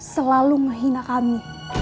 selalu menghina kami